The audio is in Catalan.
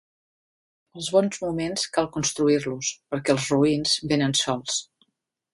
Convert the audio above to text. Els bons moments cal construir-los, perquè els roïns vénen sols.